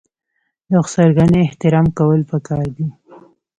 د خسرګنۍ احترام کول پکار دي.